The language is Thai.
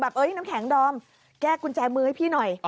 น้ำแข็งดอมแก้กุญแจมือให้พี่หน่อย